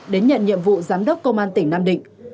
đến nhận nhiệm vụ giám đốc công an tỉnh nam định